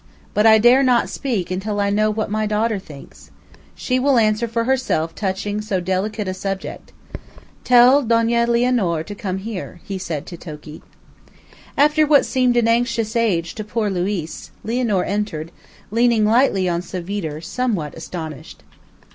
But I dare not speak until I know what my daughter thinks. She will answer for herself touching so delicate a subject. Tell Donna Lianor to come here," he said to Toki. After what seemed an anxious age to poor Luiz, Lianor entered, leaning lightly on Savitre, somewhat astonished.